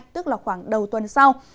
tức là khoảng đầu tuần sau